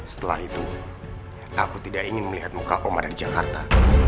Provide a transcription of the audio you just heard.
setelah itu aku tidak ingin melihat muka om ada di jakarta